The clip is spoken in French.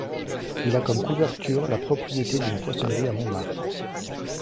Il a comme couverture la propriété d'une poissonnerie à Montmartre.